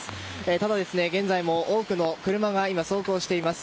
ただ今現在も多くの車が今、走行しています。